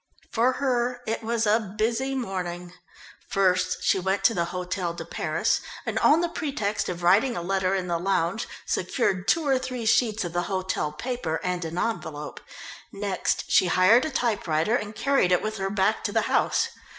For her it was a busy morning. First she went to the Hôtel de Paris, and on the pretext of writing a letter in the lounge, secured two or three sheets of the hotel paper and an envelope. Next she hired a typewriter and carried it with her back to the house.